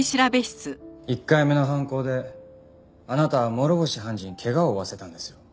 １回目の犯行であなたは諸星判事に怪我を負わせたんですよ。